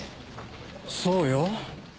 そうよ。